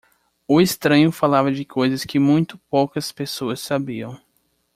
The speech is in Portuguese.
O estranho falava de coisas que muito poucas pessoas sabiam.